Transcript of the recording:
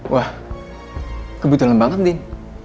wah kebetulan banget din